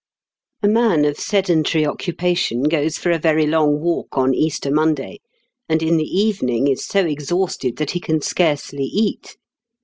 A man of sedentary occupation goes for a very long walk on Easter Monday, and in the evening is so exhausted that he can scarcely eat.